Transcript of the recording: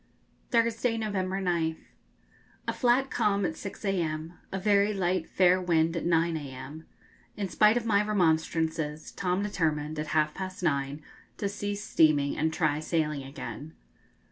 Thursday, November 9th. A flat calm at 6 a.m.; a very light fair wind at 9 a.m. In spite of my remonstrances, Tom determined, at half past nine, to cease steaming and try sailing again.